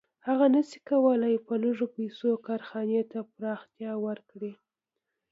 هغه نشي کولی په لږو پیسو کارخانې ته پراختیا ورکړي